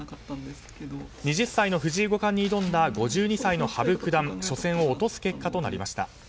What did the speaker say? ２０歳の藤井五冠に挑んだ５２歳の羽生九段初戦を落とす結果となりました。